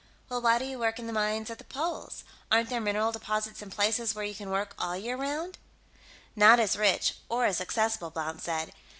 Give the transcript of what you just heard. "Well, why do you work mines at the poles? Aren't there mineral deposits in places where you can work all year 'round?" "Not as rich, or as accessible," Blount said.